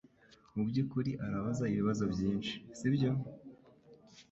Mubyukuri urabaza ibibazo byinshi, sibyo?